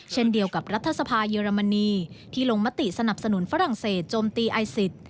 เช่นเดียวกับรัฐสภาเยอรมนีที่ลงมติสนับสนุนฝรั่งเศสโจมตีไอซิส